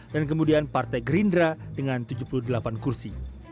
dan kemudian partai gerindra dengan tujuh puluh delapan kursi